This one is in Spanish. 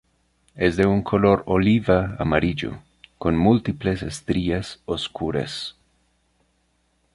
Es de un color oliva amarillo, con múltiples estrías oscuras.